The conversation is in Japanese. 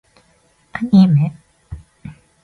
アニメ